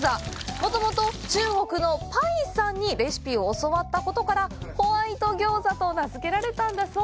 もともと中国の白さんにレシピを教わったことから「ホワイト餃子」と名づけられたんだそう。